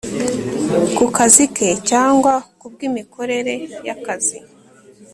ku kazi ke cyangwa ku bw imikorere y akazi